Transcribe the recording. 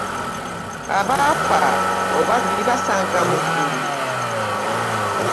Abaafa oba tulibasanga mu ggulu?